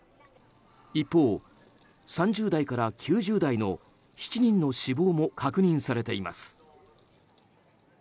一方、３０代から９０代の７人の死亡も確認されています。